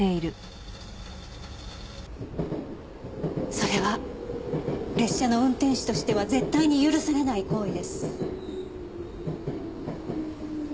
それは列車の運転士としては絶対に許されない行為です。